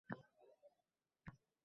Ketishingizdan afsusdaman.